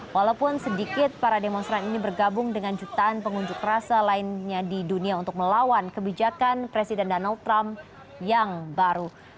walaupun sedikit para demonstran ini bergabung dengan jutaan pengunjuk rasa lainnya di dunia untuk melawan kebijakan presiden donald trump yang baru